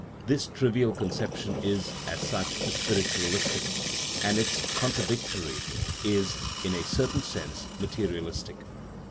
This trivial conception is, as such, spiritualistic, and its contradictory is, in a certain sense, materialistic.